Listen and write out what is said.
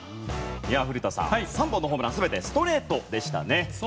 古田さん、３本のホームラン全てストレートでしたね。